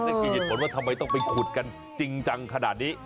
นั่นคือเหตุผลว่าทำไมต้องไปขุดกันจริงจังขนาดนี้